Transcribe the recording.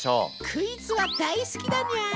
クイズは大好きだにゃー！